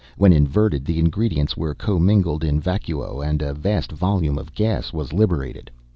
When inverted, the ingredients were commingled in vacuo and a vast volume of gas was liberated.